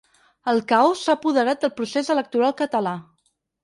El caos s’ha apoderat del procés electoral català.